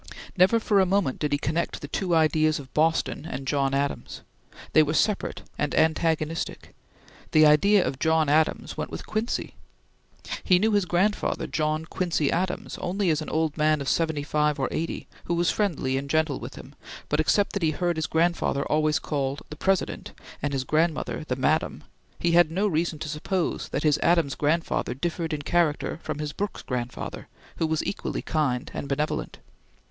Never for a moment did he connect the two ideas of Boston and John Adams; they were separate and antagonistic; the idea of John Adams went with Quincy. He knew his grandfather John Quincy Adams only as an old man of seventy five or eighty who was friendly and gentle with him, but except that he heard his grandfather always called "the President," and his grandmother "the Madam," he had no reason to suppose that his Adams grandfather differed in character from his Brooks grandfather who was equally kind and benevolent.